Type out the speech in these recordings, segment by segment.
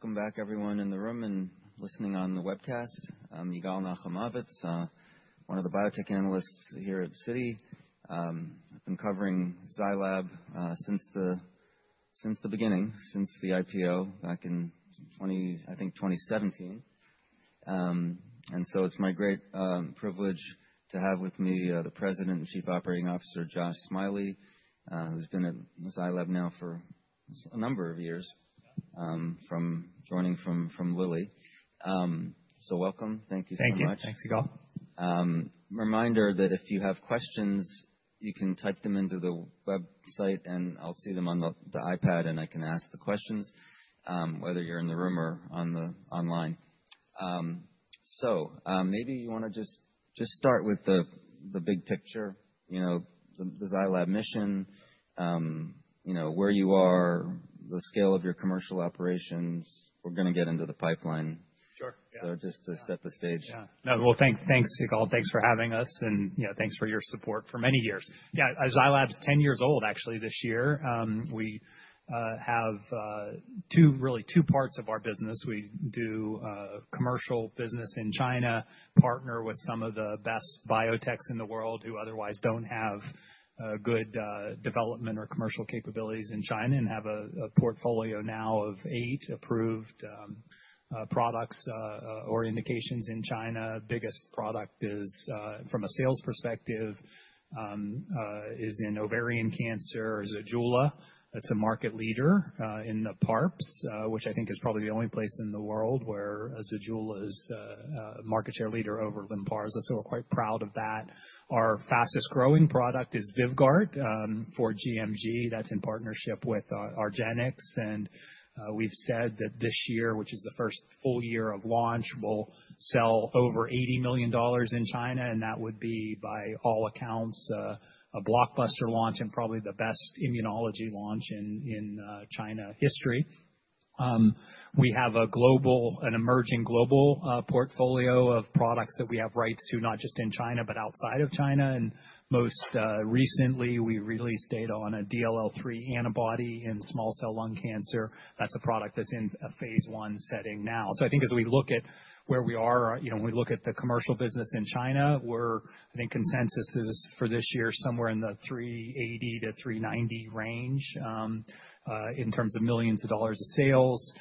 Welcome back, everyone in the room and listening on the webcast. I'm Yigal Nachamovitz, one of the biotech analysts here at Citi. I've been covering Zai Lab since the beginning, since the IPO back in, I think, 2017, and so it's my great privilege to have with me the President and Chief Operating Officer, Josh Smiley, who's been at Zai Lab now for a number of years from joining from Lilly. So welcome. Thank you so much. Thank you. Thanks, Yigal. Reminder that if you have questions, you can type them into the website, and I'll see them on the iPad, and I can ask the questions, whether you're in the room or online. So maybe you want to just start with the big picture, the Zai Lab mission, where you are, the scale of your commercial operations. We're going to get into the pipeline. Sure. Just to set the stage. Yeah. Well, thanks, Yigal. Thanks for having us. And thanks for your support for many years. Yeah, Zai Lab's 10 years old, actually, this year. We have two, really two parts of our business. We do commercial business in China, partner with some of the best biotechs in the world who otherwise don't have good development or commercial capabilities in China, and have a portfolio now of eight approved products or indications in China. Biggest product is, from a sales perspective, is in ovarian cancer, Zejula. It's a market leader in the PARPs, which I think is probably the only place in the world where Zejula is a market share leader over Lynparza. So we're quite proud of that. Our fastest growing product is Vyvgart for gMG. That's in partnership with Argenx. We've said that this year, which is the first full year of launch, will sell over $80 million in China. That would be, by all accounts, a blockbuster launch and probably the best immunology launch in China history. We have an emerging global portfolio of products that we have rights to, not just in China, but outside of China. Most recently, we released data on a DLL3 antibody in small cell lung cancer. That's a product that's in a phase one setting now. As we look at where we are, when we look at the commercial business in China, consensus is for this year somewhere in the $380 million-$390 million range in terms of sales.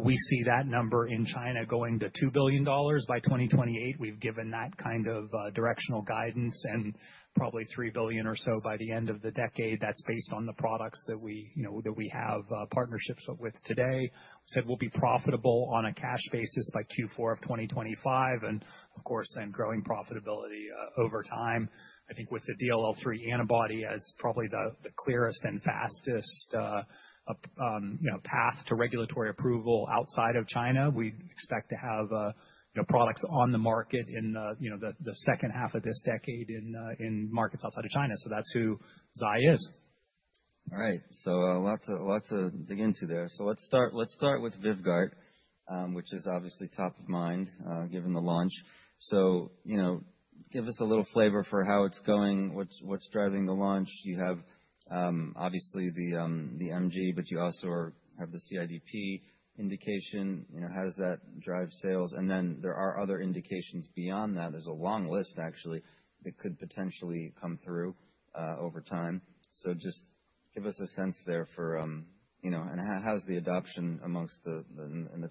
We see that number in China going to $2 billion by 2028. We've given that kind of directional guidance, and probably $3 billion or so by the end of the decade. That's based on the products that we have partnerships with today. We said we'll be profitable on a cash basis by Q4 of 2025, and of course, growing profitability over time. I think with the DLL3 antibody as probably the clearest and fastest path to regulatory approval outside of China, we expect to have products on the market in the second half of this decade in markets outside of China. So that's who Zai is. All right. So a lot to dig into there. So let's start with Vyvgart, which is obviously top of mind given the launch. So give us a little flavor for how it's going, what's driving the launch. You have, obviously, the MG, but you also have the CIDP indication. How does that drive sales? And then there are other indications beyond that. There's a long list, actually, that could potentially come through over time. So just give us a sense there for, and how's the adoption amongst the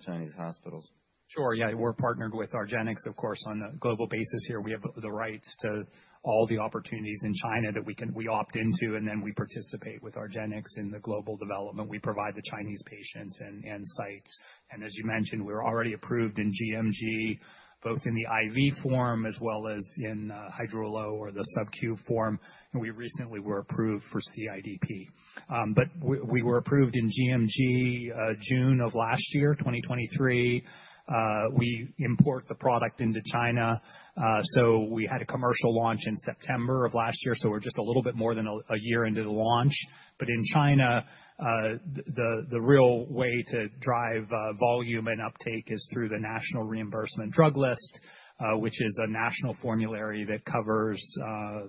Chinese hospitals? Sure. Yeah, we're partnered with Argenx, of course, on a global basis here. We have the rights to all the opportunities in China that we opt into, and then we participate with Argenx in the global development. We provide the Chinese patients and sites. And as you mentioned, we were already approved in gMG, both in the IV form as well as in Hytrulo or the subQ form. And we recently were approved for CIDP. But we were approved in gMG June of last year, 2023. We import the product into China. So we had a commercial launch in September of last year. So we're just a little bit more than a year into the launch. But in China, the real way to drive volume and uptake is through the National Reimbursement Drug List, which is a national formulary that covers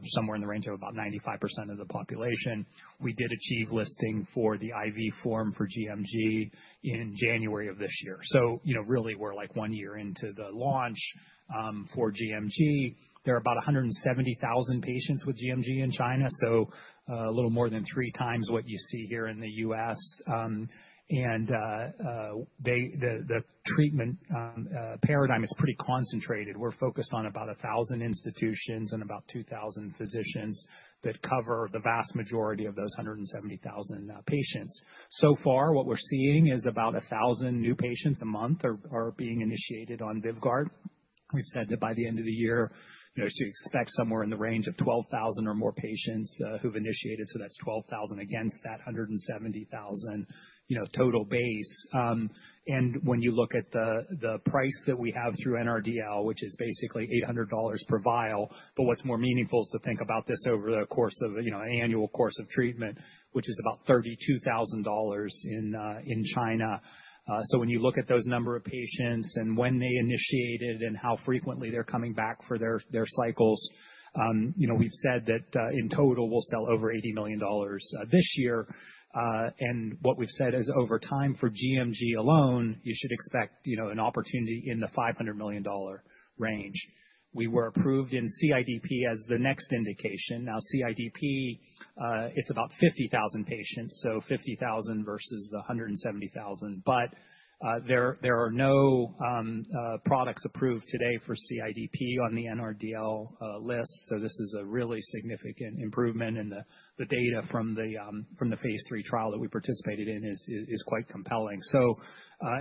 somewhere in the range of about 95% of the population. We did achieve listing for the IV form for gMG in January of this year. So really, we're like one year into the launch for gMG. There are about 170,000 patients with gMG in China, so a little more than three times what you see here in the U.S. And the treatment paradigm is pretty concentrated. We're focused on about 1,000 institutions and about 2,000 physicians that cover the vast majority of those 170,000 patients. So far, what we're seeing is about 1,000 new patients a month are being initiated on Vyvgart. We've said that by the end of the year, we expect somewhere in the range of 12,000 or more patients who've initiated. That's 12,000 against that 170,000 total base. When you look at the price that we have through NRDL, which is basically $800 per vial, but what's more meaningful is to think about this over the course of an annual course of treatment, which is about $32,000 in China. When you look at those number of patients and when they initiated and how frequently they're coming back for their cycles, we've said that in total, we'll sell over $80 million this year. What we've said is over time for gMG alone, you should expect an opportunity in the $500 million range. We were approved in CIDP as the next indication. CIDP, it's about 50,000 patients, so 50,000 versus the 170,000. There are no products approved today for CIDP on the NRDL list. This is a really significant improvement. The data from the phase three trial that we participated in is quite compelling.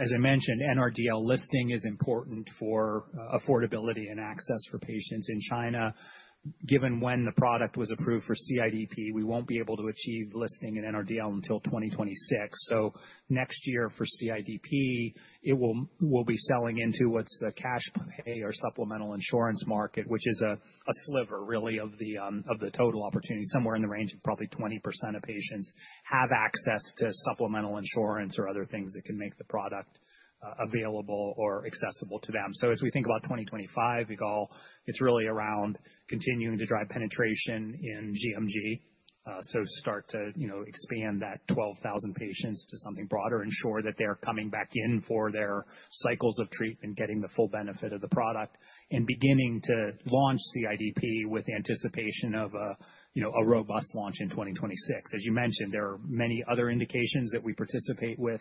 As I mentioned, NRDL listing is important for affordability and access for patients in China. Given when the product was approved for CIDP, we won't be able to achieve listing in NRDL until 2026. Next year for CIDP, it will be selling into what's the cash pay or supplemental insurance market, which is a sliver, really, of the total opportunity. Somewhere in the range of probably 20% of patients have access to supplemental insurance or other things that can make the product available or accessible to them. As we think about 2025, Yigal, it's really around continuing to drive penetration in gMG. So start to expand that 12,000 patients to something broader, ensure that they're coming back in for their cycles of treatment, getting the full benefit of the product, and beginning to launch CIDP with anticipation of a robust launch in 2026. As you mentioned, there are many other indications that we participate with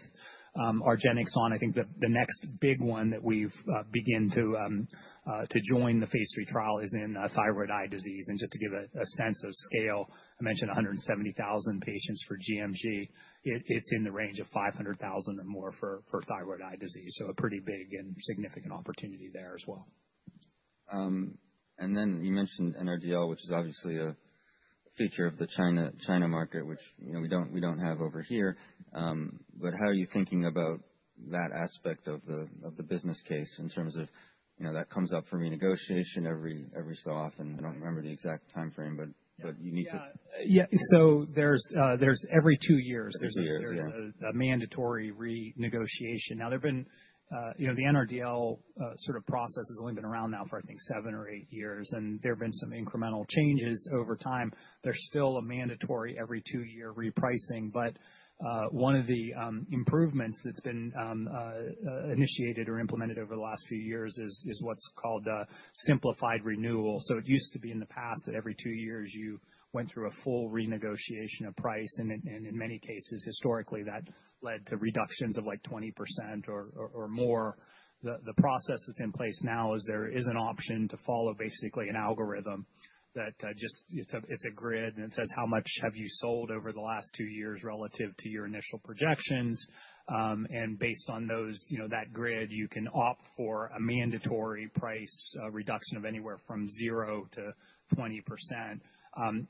Argenx on. I think the next big one that we've begun to join the phase three trial is in thyroid eye disease. And just to give a sense of scale, I mentioned 170,000 patients for GMG. It's in the range of 500,000 or more for thyroid eye disease. So a pretty big and significant opportunity there as well. And then you mentioned NRDL, which is obviously a feature of the China market, which we don't have over here. But how are you thinking about that aspect of the business case in terms of that comes up for renegotiation every so often? I don't remember the exact time frame, but you need to. Yeah, so there's every two years. Every two years. There's a mandatory renegotiation. Now, there have been the NRDL sort of process has only been around now for, I think, seven or eight years. And there have been some incremental changes over time. There's still a mandatory every two-year repricing. But one of the improvements that's been initiated or implemented over the last few years is what's called simplified renewal. So it used to be in the past that every two years you went through a full renegotiation of price. And in many cases, historically, that led to reductions of like 20% or more. The process that's in place now is there is an option to follow basically an algorithm that just it's a grid, and it says, how much have you sold over the last two years relative to your initial projections? Based on that grid, you can opt for a mandatory price reduction of anywhere from 0-20%.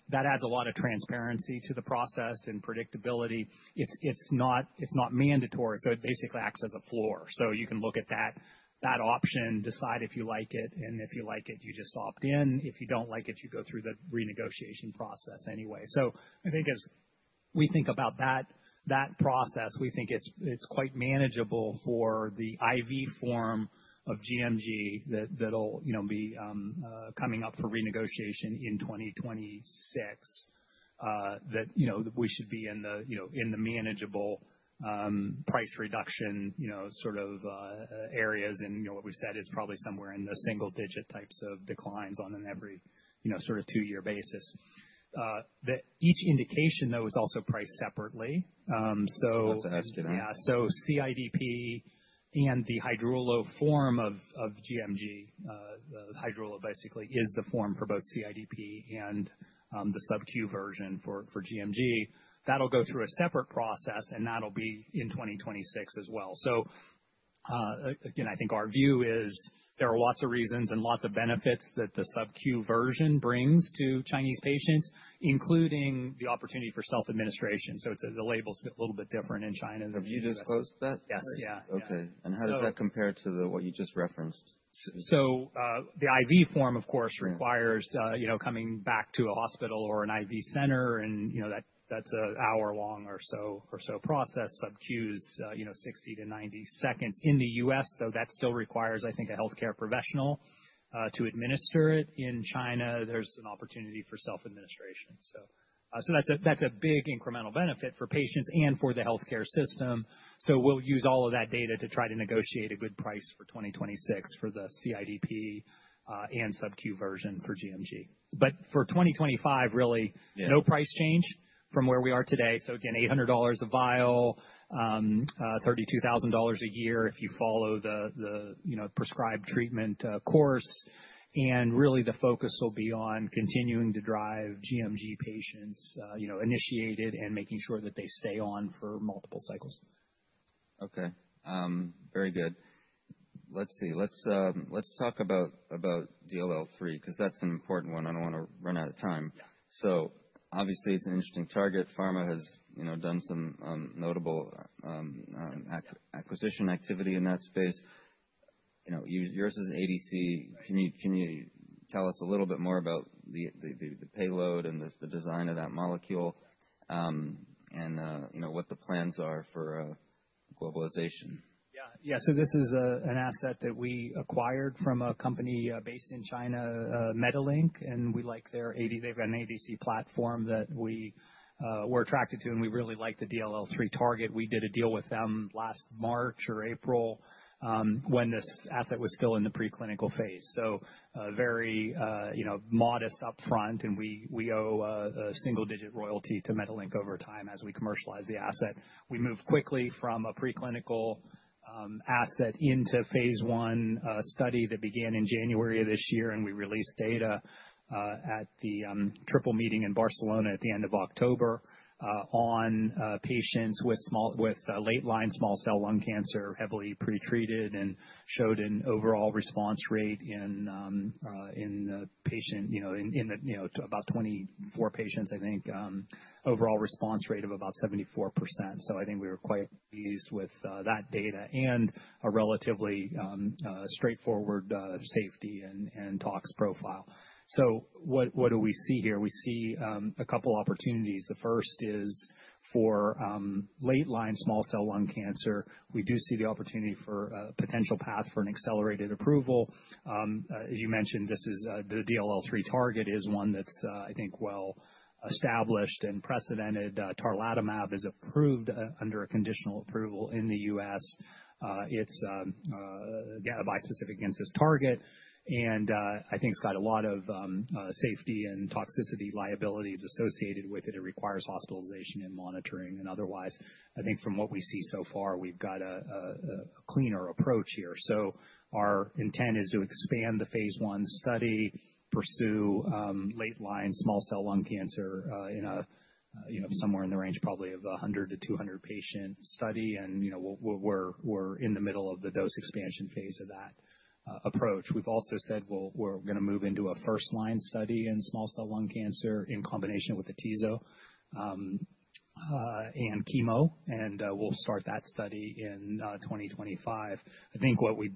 That adds a lot of transparency to the process and predictability. It's not mandatory. So it basically acts as a floor. So you can look at that option, decide if you like it. And if you like it, you just opt in. If you don't like it, you go through the renegotiation process anyway. So I think as we think about that process, we think it's quite manageable for the IV form of gMG that'll be coming up for renegotiation in 2026, that we should be in the manageable price reduction sort of areas. And what we've said is probably somewhere in the single-digit types of declines on an every sort of two-year basis. Each indication, though, is also priced separately. That's a nice grid. Yeah. So CIDP and the Hytrulo form of gMG, the Hytrulo basically is the form for both CIDP and the subQ version for gMG. That'll go through a separate process, and that'll be in 2026 as well. So again, I think our view is there are lots of reasons and lots of benefits that the subQ version brings to Chinese patients, including the opportunity for self-administration. So the label's a little bit different in China. Have you disclosed that? Yes. Yeah. Okay, and how does that compare to what you just referenced? So the IV form, of course, requires coming back to a hospital or an IV center. And that's an hour-long or so process, subQ's 60-90 seconds. In the US, though, that still requires, I think, a healthcare professional to administer it. In China, there's an opportunity for self-administration. So that's a big incremental benefit for patients and for the healthcare system. So we'll use all of that data to try to negotiate a good price for 2026 for the CIDP and subQ version for gMG. But for 2025, really, no price change from where we are today. So again, $800 a vial, $32,000 a year if you follow the prescribed treatment course. And really, the focus will be on continuing to drive gMG patients initiated and making sure that they stay on for multiple cycles. Okay. Very good. Let's see. Let's talk about DLL3 because that's an important one. I don't want to run out of time. So obviously, it's an interesting target. Pharma has done some notable acquisition activity in that space. Yours is ADC. Can you tell us a little bit more about the payload and the design of that molecule and what the plans are for globalization? Yeah. Yeah. So this is an asset that we acquired from a company based in China, MediLink. And we like their ADC. They've got an ADC platform that we were attracted to, and we really like the DLL3 target. We did a deal with them last March or April when this asset was still in the preclinical phase. So very modest upfront, and we owe a single-digit royalty to MediLink over time as we commercialize the asset. We moved quickly from a preclinical asset into phase one study that began in January of this year. And we released data at the Triple Meeting in Barcelona at the end of October on patients with late-line small cell lung cancer, heavily pretreated, and showed an overall response rate in patients in about 24 patients, I think, overall response rate of about 74%. So I think we were quite pleased with that data and a relatively straightforward safety and tox profile. So what do we see here? We see a couple of opportunities. The first is for late-line small cell lung cancer. We do see the opportunity for a potential path for an accelerated approval. As you mentioned, the DLL3 target is one that's, I think, well established and precedented. Tarlatamab is approved under a conditional approval in the U.S. It's a bispecific against this target. And I think it's got a lot of safety and toxicity liabilities associated with it. It requires hospitalization and monitoring. And otherwise, I think from what we see so far, we've got a cleaner approach here. So our intent is to expand the phase one study, pursue late-line small cell lung cancer in somewhere in the range probably of 100-200 patient study. We're in the middle of the dose expansion phase of that approach. We've also said we're going to move into a first-line study in small cell lung cancer in combination with Atezo and chemo. We'll start that study in 2025. I think what we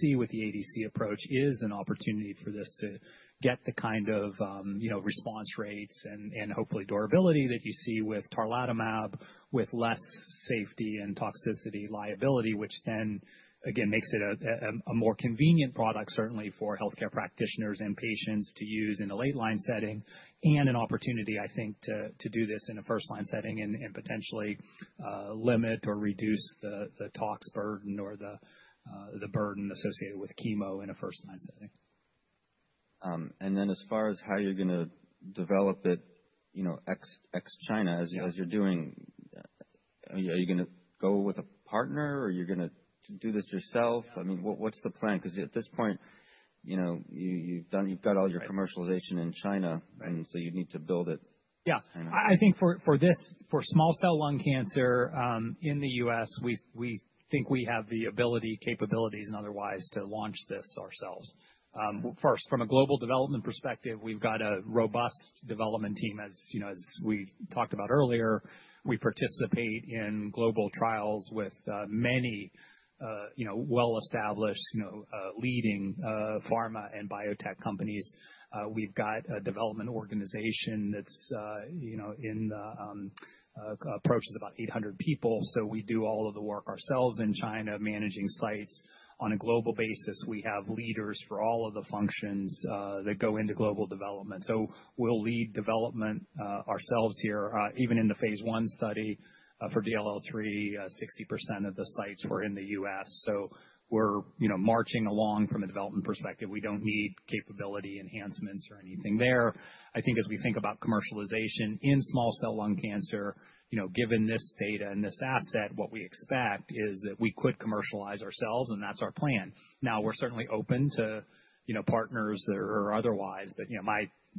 see with the ADC approach is an opportunity for this to get the kind of response rates and hopefully durability that you see with Tarlatamab, with less safety and toxicity liability, which then, again, makes it a more convenient product, certainly, for healthcare practitioners and patients to use in a late-line setting and an opportunity, I think, to do this in a first-line setting and potentially limit or reduce the tox burden or the burden associated with chemo in a first-line setting. And then as far as how you're going to develop it ex-China, as you're doing, are you going to go with a partner, or are you going to do this yourself? I mean, what's the plan? Because at this point, you've got all your commercialization in China, and so you need to build it. Yeah. I think for small cell lung cancer in the U.S., we think we have the ability, capabilities, and otherwise to launch this ourselves. First, from a global development perspective, we've got a robust development team. As we talked about earlier, we participate in global trials with many well-established leading pharma and biotech companies. We've got a development organization that's in approaches about 800 people. So we do all of the work ourselves in China managing sites on a global basis. We have leaders for all of the functions that go into global development. So we'll lead development ourselves here. Even in the phase one study for DLL3, 60% of the sites were in the U.S. So we're marching along from a development perspective. We don't need capability enhancements or anything there. I think as we think about commercialization in small cell lung cancer, given this data and this asset, what we expect is that we could commercialize ourselves, and that's our plan. Now, we're certainly open to partners or otherwise. But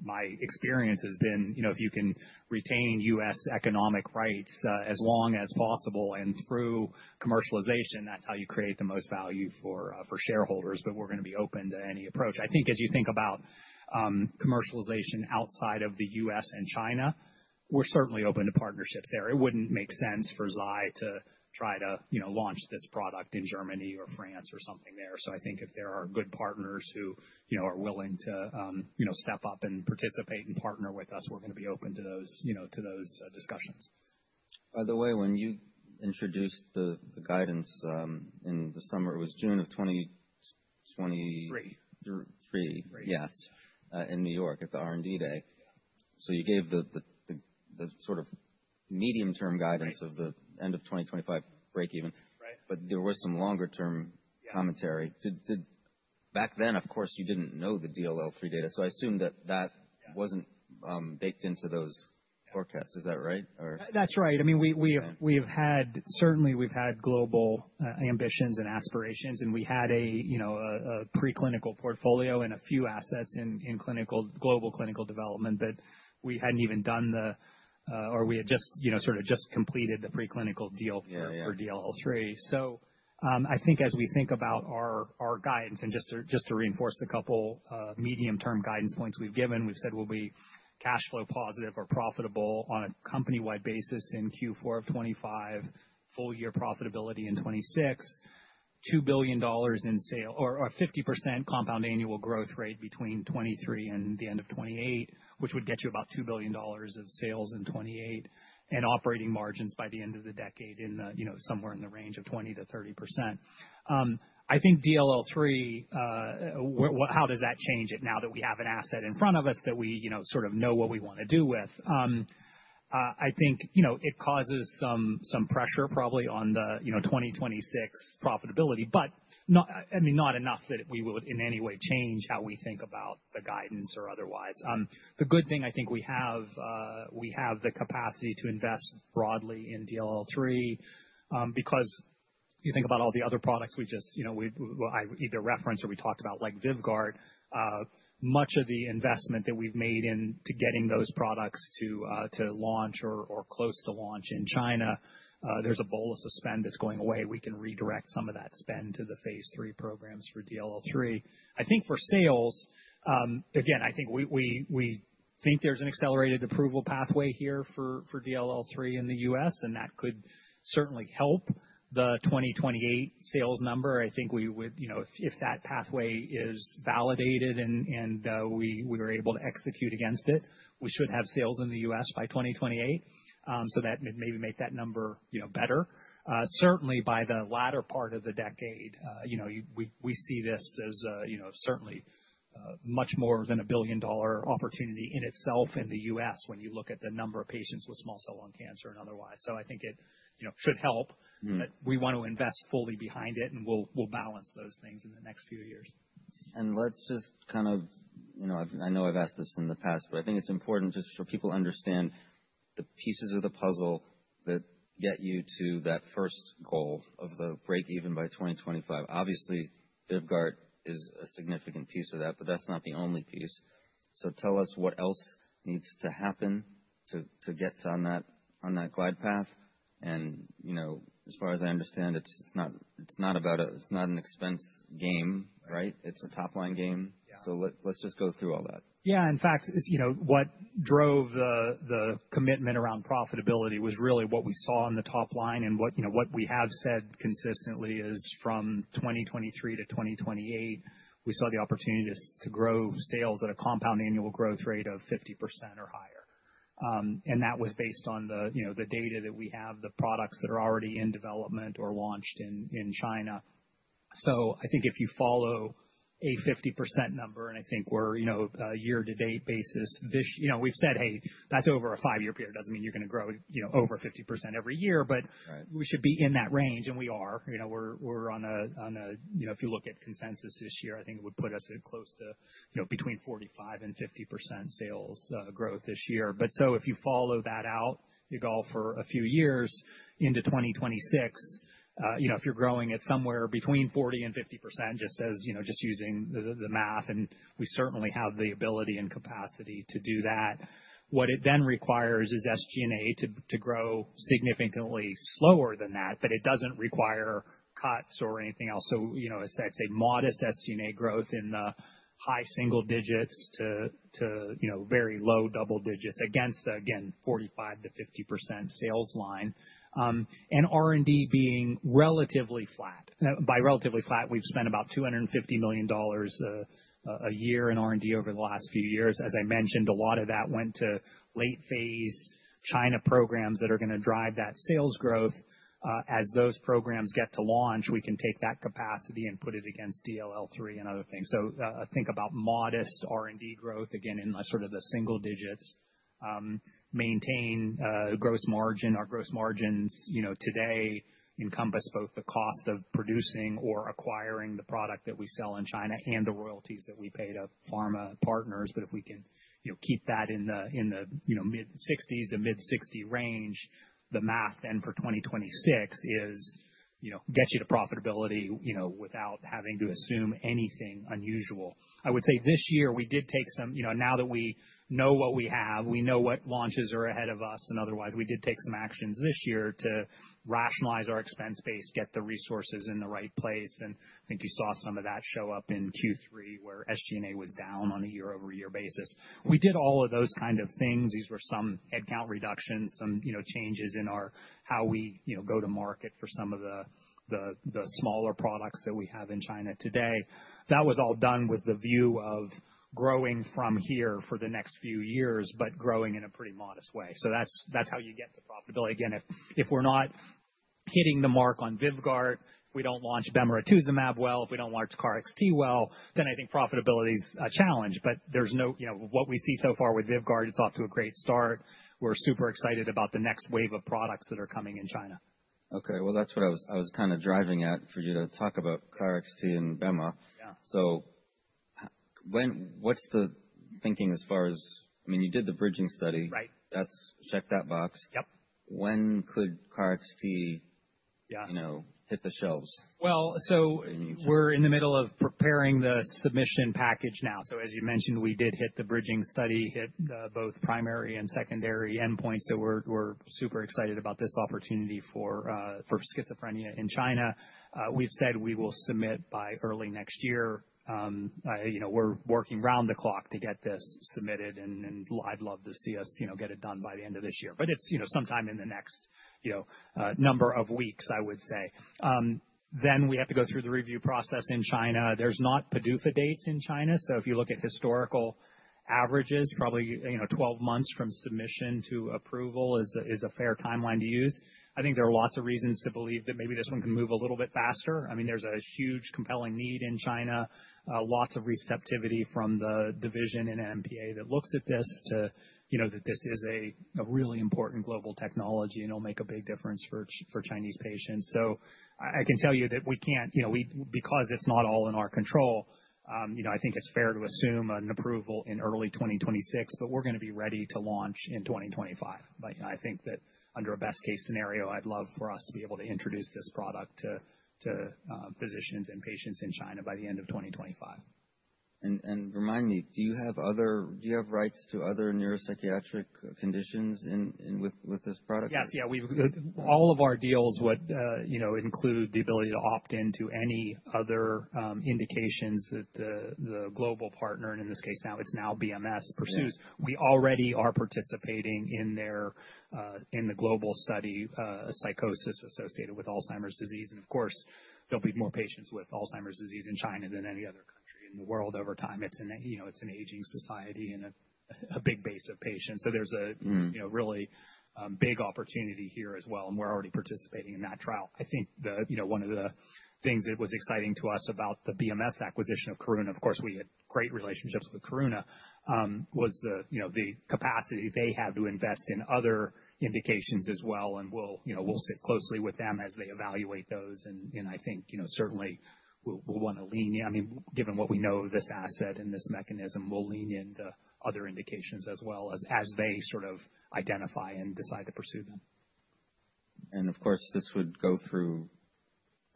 my experience has been if you can retain U.S. economic rights as long as possible and through commercialization, that's how you create the most value for shareholders. But we're going to be open to any approach. I think as you think about commercialization outside of the U.S. and China, we're certainly open to partnerships there. It wouldn't make sense for Zai to try to launch this product in Germany or France or something there. So I think if there are good partners who are willing to step up and participate and partner with us, we're going to be open to those discussions. By the way, when you introduced the guidance in the summer, it was June of 2023. Three. Three. Three. Yes. In New York at the R&D day. So you gave the sort of medium-term guidance of the end of 2025 breakeven. But there was some longer-term commentary. Back then, of course, you didn't know the DLL3 data. So I assume that that wasn't baked into those forecasts. Is that right? That's right. I mean, we've certainly had global ambitions and aspirations. And we had a preclinical portfolio and a few assets in global clinical development. But we hadn't even, or we had just sort of completed the preclinical deal for DLL3. So I think as we think about our guidance, and just to reinforce the couple medium-term guidance points we've given, we've said we'll be cash flow positive or profitable on a company-wide basis in Q4 of 2025, full-year profitability in 2026, $2 billion in sale or 50% compound annual growth rate between 2023 and the end of 2028, which would get you about $2 billion of sales in 2028, and operating margins by the end of the decade somewhere in the range of 20%-30%. I think DLL3, how does that change it now that we have an asset in front of us that we sort of know what we want to do with? I think it causes some pressure probably on the 2026 profitability, but I mean, not enough that we would in any way change how we think about the guidance or otherwise. The good thing I think we have, we have the capacity to invest broadly in DLL3 because you think about all the other products we just either referenced or we talked about like Vyvgart. Much of the investment that we've made into getting those products to launch or close to launch in China, there's a bolus of spend that's going away. We can redirect some of that spend to the phase three programs for DLL3. I think for sales, again, I think we think there's an accelerated approval pathway here for DLL3 in the U.S., and that could certainly help the 2028 sales number. I think if that pathway is validated and we are able to execute against it, we should have sales in the U.S. by 2028 so that maybe make that number better. Certainly, by the latter part of the decade, we see this as certainly much more than a billion-dollar opportunity in itself in the U.S. when you look at the number of patients with small cell lung cancer and otherwise. So I think it should help. But we want to invest fully behind it, and we'll balance those things in the next few years. And let's just kind of, I know I've asked this in the past, but I think it's important just for people to understand the pieces of the puzzle that get you to that first goal of the breakeven by 2025. Obviously, Vyvgart is a significant piece of that, but that's not the only piece. So tell us what else needs to happen to get on that glide path. And as far as I understand, it's not about. It's not an expense game, right? It's a top-line game. So let's just go through all that. Yeah. In fact, what drove the commitment around profitability was really what we saw on the top line, and what we have said consistently is from 2023 to 2028, we saw the opportunity to grow sales at a compound annual growth rate of 50% or higher, and that was based on the data that we have, the products that are already in development or launched in China, so I think if you follow a 50% number, and I think we're on a year-to-date basis, we've said, "Hey, that's over a five-year period. It doesn't mean you're going to grow over 50% every year, but we should be in that range," and we are. If you look at consensus this year, I think it would put us close to between 45% and 50% sales growth this year. But so if you follow that out, you go for a few years into 2026, if you're growing at somewhere between 40%-50%, just using the math, and we certainly have the ability and capacity to do that. What it then requires is SG&A to grow significantly slower than that, but it doesn't require cuts or anything else, so it's a modest SG&A growth in the high single digits% to very low double digits% against, again, 45%-50% sales line, and R&D being relatively flat. By relatively flat, we've spent about $250 million a year in R&D over the last few years. As I mentioned, a lot of that went to late-phase China programs that are going to drive that sales growth. As those programs get to launch, we can take that capacity and put it against DLL3 and other things. So, think about modest R&D growth, again, in sort of the single digits, maintain gross margin. Our gross margins today encompass both the cost of producing or acquiring the product that we sell in China and the royalties that we pay to pharma partners. But if we can keep that in the mid-60s to mid-60 range, the math then for 2026 is get you to profitability without having to assume anything unusual. I would say this year, we did take some now that we know what we have, we know what launches are ahead of us. And otherwise, we did take some actions this year to rationalize our expense base, get the resources in the right place. And I think you saw some of that show up in Q3, where SG&A was down on a year-over-year basis. We did all of those kind of things. These were some headcount reductions, some changes in how we go to market for some of the smaller products that we have in China today. That was all done with the view of growing from here for the next few years, but growing in a pretty modest way. So that's how you get to profitability. Again, if we're not hitting the mark on Vyvgart, if we don't launch Bemirituzumab well, if we don't launch KarXT well, then I think profitability is a challenge. But what we see so far with Vyvgart, it's off to a great start. We're super excited about the next wave of products that are coming in China. Okay. Well, that's what I was kind of driving at for you to talk about KarXT and Bema. So what's the thinking as far as I mean, you did the bridging study. Right. Check that box. Yep. When could KarXT hit the shelves? So we're in the middle of preparing the submission package now. So as you mentioned, we did hit the bridging study, hit both primary and secondary endpoints. So we're super excited about this opportunity for schizophrenia in China. We've said we will submit by early next year. We're working round the clock to get this submitted. And I'd love to see us get it done by the end of this year. But it's sometime in the next number of weeks, I would say. Then we have to go through the review process in China. There's not PDUFA dates in China. So if you look at historical averages, probably 12 months from submission to approval is a fair timeline to use. I think there are lots of reasons to believe that maybe this one can move a little bit faster. I mean, there's a huge compelling need in China, lots of receptivity from the division in NMPA that looks at this, that this is a really important global technology and it'll make a big difference for Chinese patients. So I can tell you that we can't, because it's not all in our control, I think it's fair to assume an approval in early 2026, but we're going to be ready to launch in 2025. But I think that under a best-case scenario, I'd love for us to be able to introduce this product to physicians and patients in China by the end of 2025. Remind me, do you have rights to other neuropsychiatric conditions with this product? Yes. Yeah. All of our deals would include the ability to opt into any other indications that the global partner, and in this case, now it's BMS, pursues. We already are participating in the global study psychosis associated with Alzheimer's disease. And of course, there'll be more patients with Alzheimer's disease in China than any other country in the world over time. It's an aging society and a big base of patients. So there's a really big opportunity here as well. And we're already participating in that trial. I think one of the things that was exciting to us about the BMS acquisition of Karuna, of course, we had great relationships with Karuna, was the capacity they have to invest in other indications as well. And we'll sit closely with them as they evaluate those. I think certainly we'll want to lean in. I mean, given what we know of this asset and this mechanism, we'll lean into other indications as well as they sort of identify and decide to pursue them. Of course, this would go through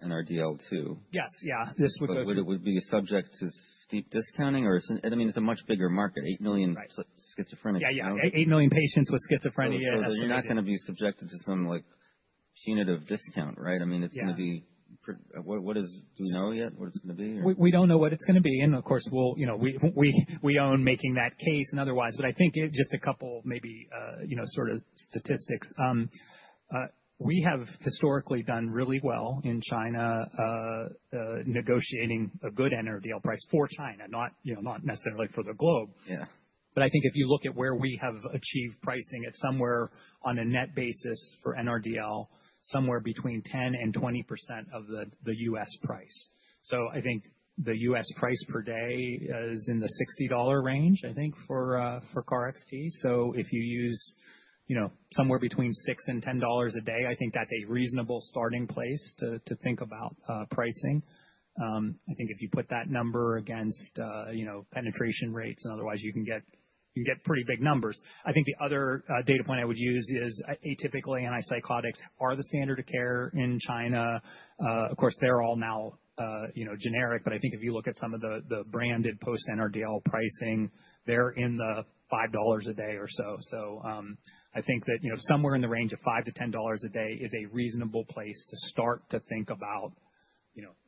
NRDL too. Yes. Yeah. This would go through. But it would be subject to steep discounting, or I mean, it's a much bigger market, 8 million schizophrenic patients. Yeah. Yeah. Eight million patients with Schizophrenia. So you're not going to be subjected to some punitive discount, right? I mean, it's going to be what? Do we know yet what it's going to be? We don't know what it's going to be, and of course, we own making that case and otherwise, but I think just a couple maybe sort of statistics. We have historically done really well in China negotiating a good NRDL price for China, not necessarily for the globe. But I think if you look at where we have achieved pricing, it's somewhere on a net basis for NRDL, somewhere between 10 and 20% of the US price. So I think the US price per day is in the $60 range, I think, for KarXT. So if you use somewhere between $6 and $10 a day, I think that's a reasonable starting place to think about pricing. I think if you put that number against penetration rates and otherwise, you can get pretty big numbers. I think the other data point I would use is atypical antipsychotics are the standard of care in China. Of course, they're all now generic, but I think if you look at some of the branded post-NRDL pricing, they're in the $5 a day or so, so I think that somewhere in the range of $5-$10 a day is a reasonable place to start to think about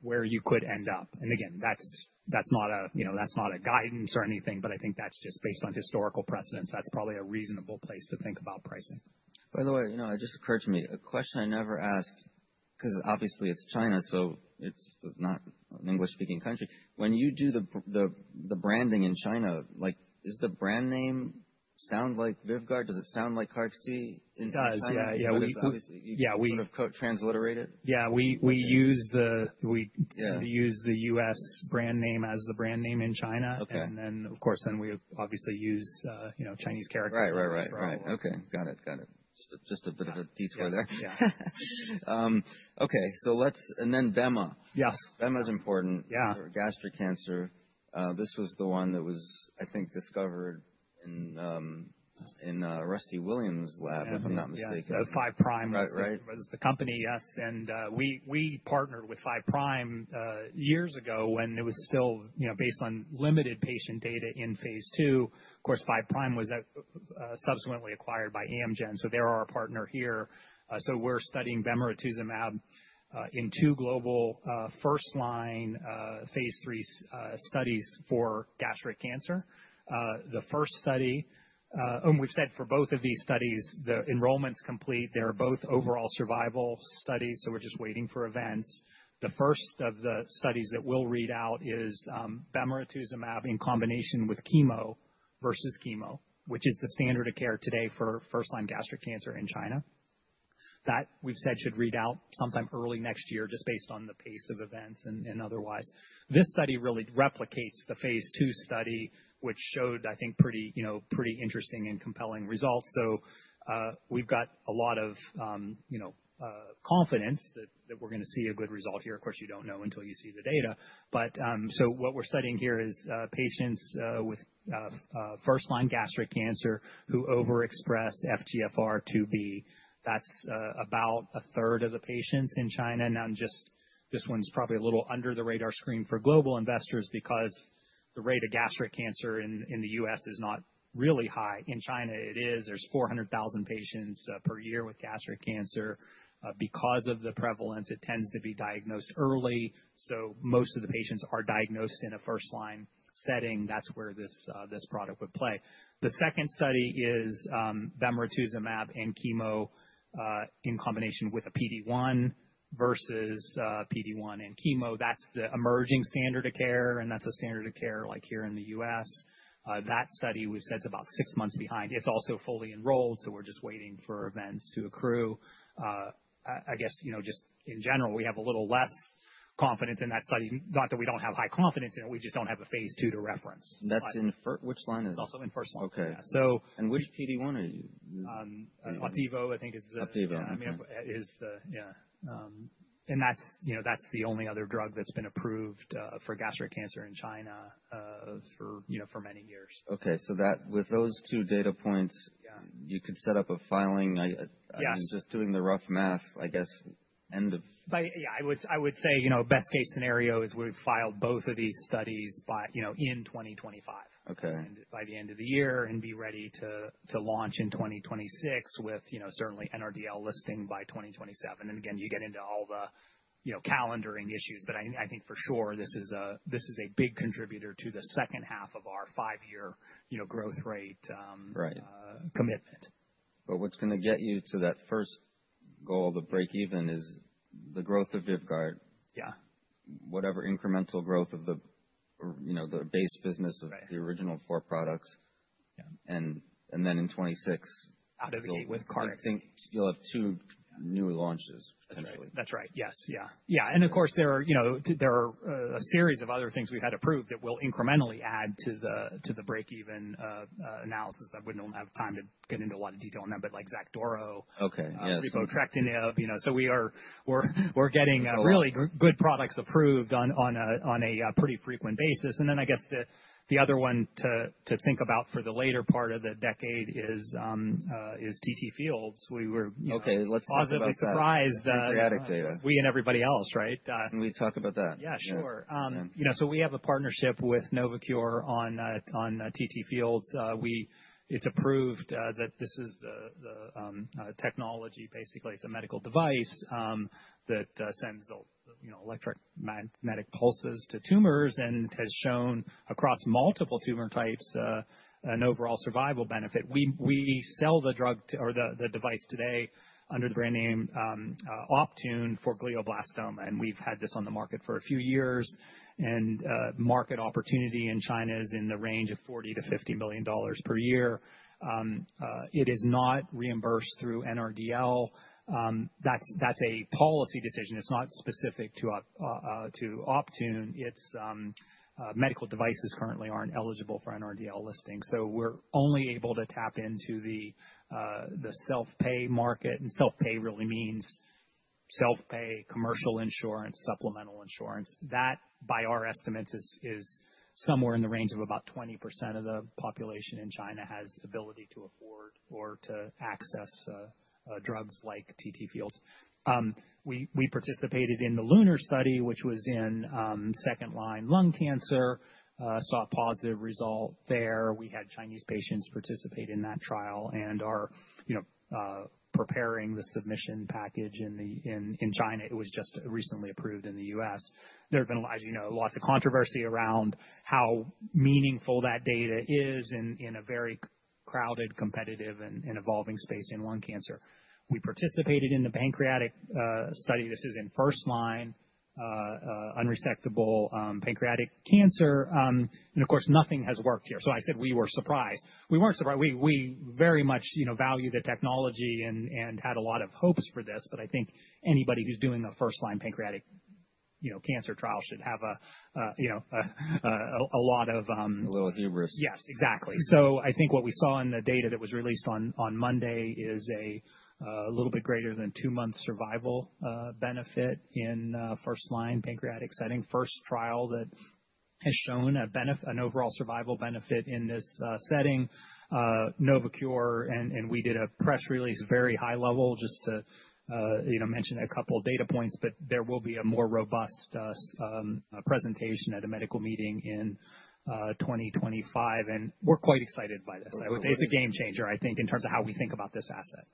where you could end up, and again, that's not a guidance or anything, but I think that's just based on historical precedence. That's probably a reasonable place to think about pricing. By the way, it just occurred to me a question I never asked because obviously it's China, so it's not an English-speaking country. When you do the branding in China, does the brand name sound like Vyvgart? Does it sound like KarXT in China? It does. Yeah. Yeah. You sort of transliterate it? Yeah. We use the US brand name as the brand name in China, and then, of course, we obviously use Chinese characters. Right. Okay. Got it. Just a bit of a detour there. Yeah. Okay, and then Bema. Yes. Bemirituzumab is important. Gastric cancer. This was the one that was, I think, discovered in Rusty Williams' lab, if I'm not mistaken. Yes. Five Prime was the company, yes. And we partnered with Five Prime years ago when it was still based on limited patient data in phase two. Of course, Five Prime was subsequently acquired by Amgen, so they're our partner here. So we're studying Bemirituzumab in two global first-line phase three studies for gastric cancer. The first study, and we've said for both of these studies, the enrollment's complete. They're both overall survival studies, so we're just waiting for events. The first of the studies that we'll read out is Bemirituzumab in combination with chemo versus chemo, which is the standard of care today for first-line gastric cancer in China. That we've said should read out sometime early next year just based on the pace of events and otherwise. This study really replicates the phase two study, which showed, I think, pretty interesting and compelling results. So we've got a lot of confidence that we're going to see a good result here. Of course, you don't know until you see the data. So what we're studying here is patients with first-line gastric cancer who overexpress FGFR2b. That's about a third of the patients in China. Now, just this one's probably a little under the radar screen for global investors because the rate of gastric cancer in the U.S. is not really high. In China, it is. There's 400,000 patients per year with gastric cancer. Because of the prevalence, it tends to be diagnosed early. So most of the patients are diagnosed in a first-line setting. That's where this product would play. The second study is Bemirituzumab and chemo in combination with a PD-1 versus PD-1 and chemo. That's the emerging standard of care, and that's a standard of care like here in the U.S. That study, we've said, is about six months behind. It's also fully enrolled, so we're just waiting for events to accrue. I guess just in general, we have a little less confidence in that study. Not that we don't have high confidence in it. We just don't have a phase two to reference. That's in which line is it? It's also in first line. Okay. And which PD-1 are you? Opdivo, I think, is. Opdivo. Yeah, and that's the only other drug that's been approved for gastric cancer in China for many years. Okay. So with those two data points, you could set up a filing. Yes. I mean, just doing the rough math, I guess, end of. Yeah. I would say best-case scenario is we've filed both of these studies in 2025. Okay. By the end of the year and be ready to launch in 2026 with certainly NRDL listing by 2027. And again, you get into all the calendaring issues. But I think for sure this is a big contributor to the second half of our five-year growth rate commitment. But what's going to get you to that first goal of the break-even is the growth of Vyvgart. Yeah. Whatever incremental growth of the base business of the original four products, and then in 2026. Out of the gate with KarXT. You'll have two new launches potentially. That's right. Yes. Yeah. Yeah. And of course, there are a series of other things we've had approved that will incrementally add to the break-even analysis. I wouldn't have time to get into a lot of detail on that, but like Xacduro, Repotrectinib. So we're getting really good products approved on a pretty frequent basis. And then I guess the other one to think about for the later part of the decade is TTFields. We were positively surprised. Okay. Let's talk about that. We and everybody else, right? Can we talk about that? Yeah. Sure. So we have a partnership with Novocure on TTFields. It's approved that this is the technology, basically. It's a medical device that sends electromagnetic pulses to tumors and has shown across multiple tumor types an overall survival benefit. We sell the drug or the device today under the brand name Optune for glioblastoma, and we've had this on the market for a few years, and market opportunity in China is in the range of $40-$50 million per year. It is not reimbursed through NRDL. That's a policy decision. It's not specific to Optune. Medical devices currently aren't eligible for NRDL listing. So we're only able to tap into the self-pay market, and self-pay really means self-pay, commercial insurance, supplemental insurance. That, by our estimates, is somewhere in the range of about 20% of the population in China has the ability to afford or to access drugs like TTFields. We participated in the LUNAR study, which was in second-line lung cancer, saw a positive result there. We had Chinese patients participate in that trial and are preparing the submission package in China. It was just recently approved in the U.S. There have been, as you know, lots of controversy around how meaningful that data is in a very crowded, competitive, and evolving space in lung cancer. We participated in the pancreatic study. This is in first-line, unresectable pancreatic cancer. And of course, nothing has worked here. So I said we were surprised. We weren't surprised. We very much value the technology and had a lot of hopes for this. But I think anybody who's doing a first-line pancreatic cancer trial should have a lot of. A little hubris. Yes. Exactly, so I think what we saw in the data that was released on Monday is a little bit greater than two months survival benefit in first-line pancreatic setting. First trial that has shown an overall survival benefit in this setting. Novocure, and we did a press release very high-level just to mention a couple of data points, but there will be a more robust presentation at a medical meeting in 2025, and we're quite excited by this. It's a game changer, I think, in terms of how we think about this asset.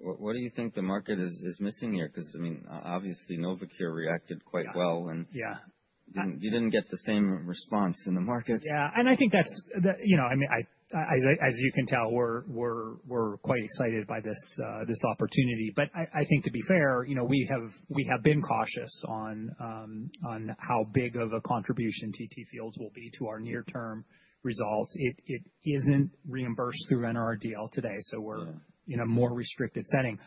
What do you think the market is missing here? Because, I mean, obviously, Novocure reacted quite well and you didn't get the same response in the markets. Yeah. And I think that's, I mean, as you can tell, we're quite excited by this opportunity. But I think to be fair, we have been cautious on how big of a contribution TTFields will be to our near-term results. It isn't reimbursed through NRDL today, so we're in a more restricted setting.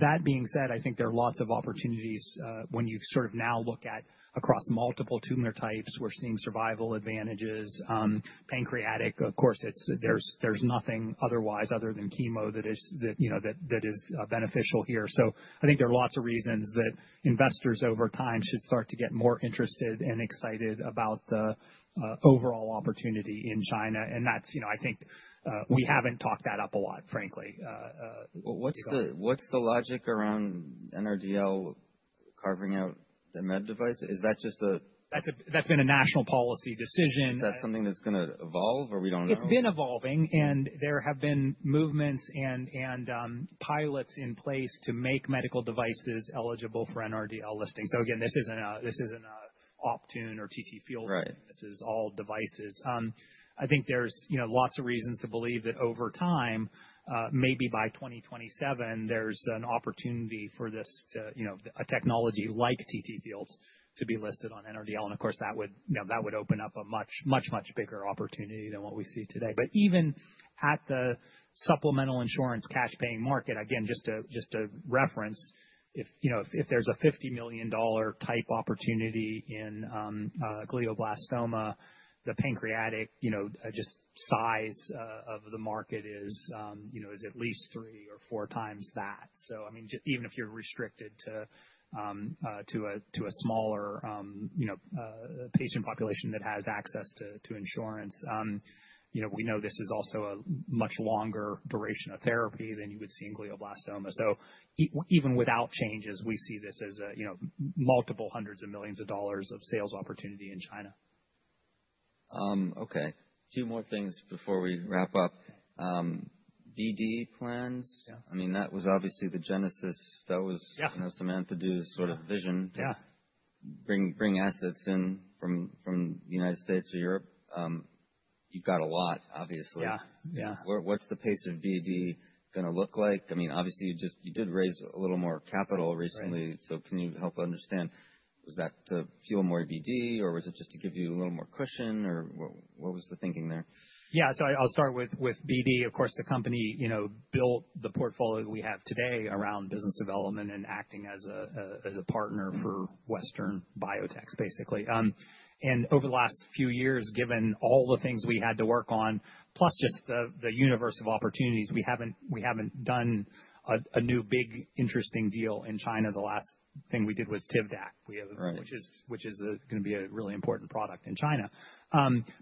That being said, I think there are lots of opportunities when you sort of now look at across multiple tumor types. We're seeing survival advantages. Pancreatic, of course, there's nothing otherwise other than chemo that is beneficial here. So I think there are lots of reasons that investors over time should start to get more interested and excited about the overall opportunity in China. And I think we haven't talked that up a lot, frankly. What's the logic around NRDL carving out the med device? Is that just a? That's been a national policy decision. Is that something that's going to evolve or we don't know? It's been evolving, and there have been movements and pilots in place to make medical devices eligible for NRDL listing, so again, this isn't an Optune or TT Fields. This is all devices. I think there's lots of reasons to believe that over time, maybe by 2027, there's an opportunity for a technology like TT Fields to be listed on NRDL, and of course, that would open up a much, much, much bigger opportunity than what we see today, but even at the supplemental insurance cash-paying market, again, just to reference, if there's a $50 million type opportunity in glioblastoma, the pancreatic just size of the market is at least three or four times that. So I mean, even if you're restricted to a smaller patient population that has access to insurance, we know this is also a much longer duration of therapy than you would see in glioblastoma. So even without changes, we see this as multiple hundreds of millions of dollars of sales opportunity in China. Okay. Two more things before we wrap up. BD plans. I mean, that was obviously the genesis. That was Samantha Du's sort of vision to bring assets in from the United States or Europe. You've got a lot, obviously. Yeah. Yeah. What's the pace of BD going to look like? I mean, obviously, you did raise a little more capital recently. So can you help understand? Was that to fuel more BD, or was it just to give you a little more cushion? Or what was the thinking there? Yeah, so I'll start with BD. Of course, the company built the portfolio that we have today around business development and acting as a partner for Western Biotech, basically, and over the last few years, given all the things we had to work on, plus just the universe of opportunities, we haven't done a new big interesting deal in China. The last thing we did was Tivdak, which is going to be a really important product in China.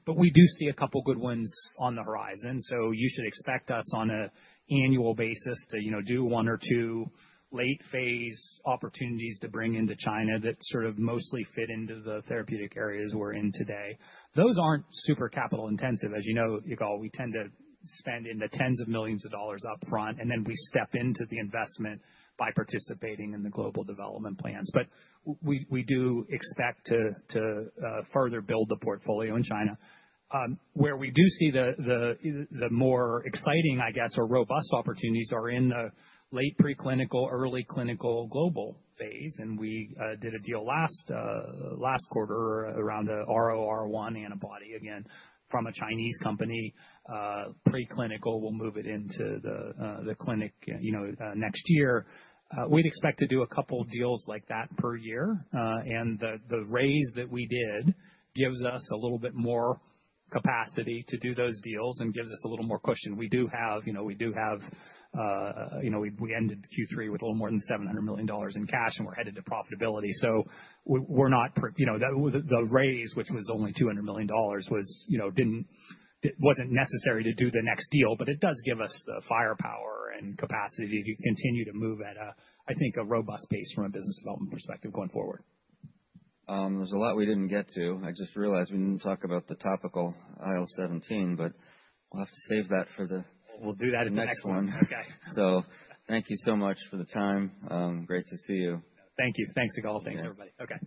But we do see a couple of good ones on the horizon, so you should expect us on an annual basis to do one or two late-phase opportunities to bring into China that sort of mostly fit into the therapeutic areas we're in today. Those aren't super capital-intensive. As you know, Yigal, we tend to spend in the tens of millions of dollars upfront, and then we step into the investment by participating in the global development plans. But we do expect to further build the portfolio in China. Where we do see the more exciting, I guess, or robust opportunities are in the late preclinical, early clinical global phase. And we did a deal last quarter around an ROR1 antibody again from a Chinese company. Preclinical, we'll move it into the clinic next year. We'd expect to do a couple of deals like that per year. And the raise that we did gives us a little bit more capacity to do those deals and gives us a little more cushion. We ended Q3 with a little more than $700 million in cash, and we're headed to profitability. The raise, which was only $200 million, wasn't necessary to do the next deal. It does give us the firepower and capacity to continue to move at, I think, a robust pace from a business development perspective going forward. There's a lot we didn't get to. I just realized we didn't talk about the topical IL-17, but we'll have to save that for the. We'll do that in the next one. Next one. Okay. So thank you so much for the time. Great to see you. Thank you. Thanks, Yigal. Thanks, everybody. Okay.